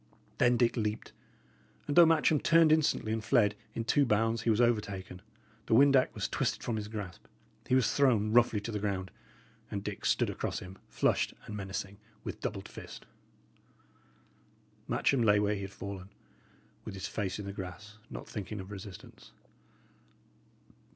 Then Dick leaped; and though Matcham turned instantly and fled, in two bounds he was over taken, the windac was twisted from his grasp, he was thrown roughly to the ground, and Dick stood across him, flushed and menacing, with doubled fist. Matcham lay where he had fallen, with his face in the grass, not thinking of resistance.